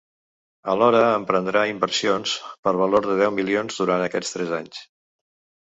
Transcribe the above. Alhora emprendrà inversions per valor de deu milions durant aquests tres anys.